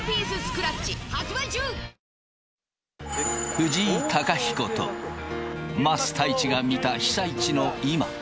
藤井貴彦と桝太一が見た被災地の今。